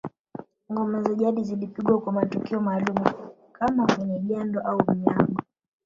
Ngoma za jadi zilipigwa kwa matukio maalumu kama kwenye jando au unyago